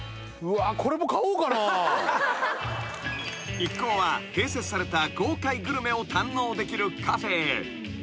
［一行は併設された豪快グルメを堪能できるカフェへ］